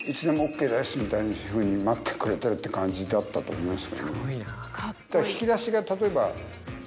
みたいなふうに待ってくれてるっていう感じだったと思います。